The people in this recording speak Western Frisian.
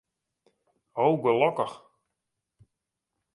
O, gelokkich.